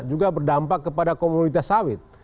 juga berdampak kepada komoditas sawit